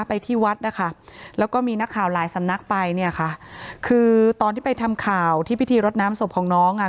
ไปที่วัดนะคะแล้วก็มีนักข่าวหลายสำนักไปเนี่ยค่ะคือตอนที่ไปทำข่าวที่พิธีรดน้ำศพของน้องอ่ะ